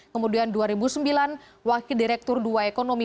kemudian dua ribu sembilan wakil direktur dua ekonomi